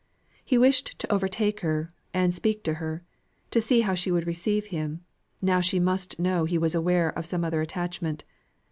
He wished to overtake her, and speak to her, to see how she would receive him, now she must know he was aware of some other attachment.